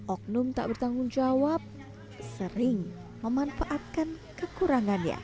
oknum tak bertanggung jawab sering memanfaatkan kekurangannya